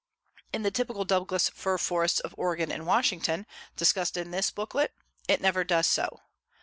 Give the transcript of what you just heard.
In the typical Douglas fir forests of Oregon and Washington, discussed in this booklet, it never does so.